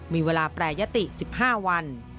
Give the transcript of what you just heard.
มีเวลาแปรยติ๑๕วัน